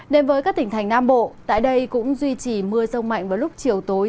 đến với các tỉnh thành nam bộ tại đây cũng duy trì mưa rông mạnh vào lúc chiều tối